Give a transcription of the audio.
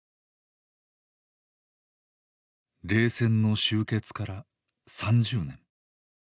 冷戦の終結から３０年。